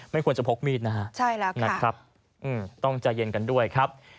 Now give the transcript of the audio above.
ไม่ควรจะพกมีดนะครับนะครับต้องใจเย็นกันด้วยครับใช่แล้วค่ะ